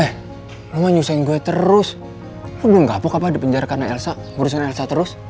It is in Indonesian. eh lo menyusahkan gue terus lo belum gapuk apa dipenjara karena elsa urusin elsa terus